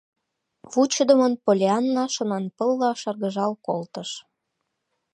Вучыдымын Поллианна шонанпылла шыргыжал колтыш.